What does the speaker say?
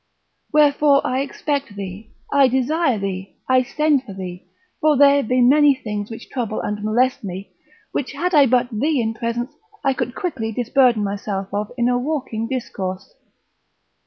Wherefore I expect thee, I desire thee, I send for thee; for there be many things which trouble and molest me, which had I but thee in presence, I could quickly disburden myself of in a walking discourse.